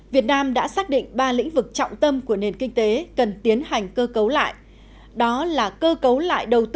việt nam đã xác định ba lĩnh vực trọng tâm của nền kinh tế cần tiến hành cơ cấu lại